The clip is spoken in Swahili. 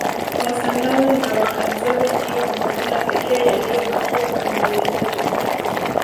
wasandawe na wahadzabe ndiyo makabila pekee yaliyobakia kwenye uwindaji